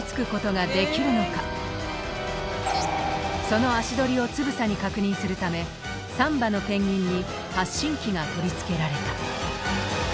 その足取りをつぶさに確認するため３羽のペンギンに発信機が取り付けられた。